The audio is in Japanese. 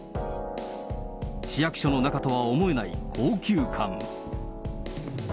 市役所の中とは思えない高級感。